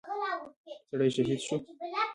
سړى شهيد شو.